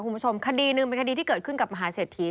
คุณผู้ชมคดีหนึ่งเป็นคดีที่เกิดขึ้นกับมหาเศรษฐี